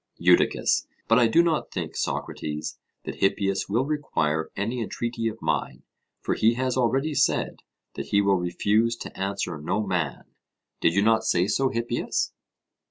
EUDICUS: But I do not think, Socrates, that Hippias will require any entreaty of mine; for he has already said that he will refuse to answer no man. Did you not say so, Hippias?